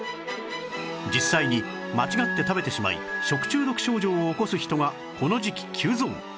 実際に間違って食べてしまい食中毒症状を起こす人がこの時期急増